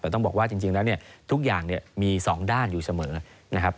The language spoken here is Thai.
แต่ต้องบอกว่าจริงแล้วเนี่ยทุกอย่างมี๒ด้านอยู่เสมอนะครับ